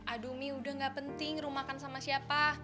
aduh mi udah gak penting rum makan sama siapa